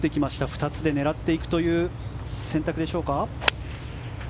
２つで狙っていくという選択でしょうか。